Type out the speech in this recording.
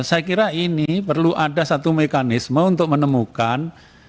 saya kira ini perlu ada satu mekanisme untuk menemukan